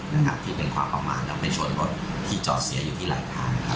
นะครับที่เป็นความประมาณกับไม่ชนรถที่จอดเสียอยู่ที่หลายทางครับ